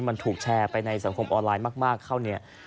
มันถูกแชร์ไปในสังคมออนไลน์มากเข้าเนี่ย